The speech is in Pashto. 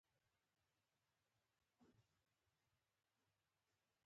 سلام غواړم تمځای ته لاړشم خو نه پوهيږم چیرته دی